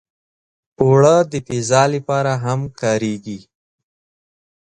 اوړه د پیزا لپاره هم کارېږي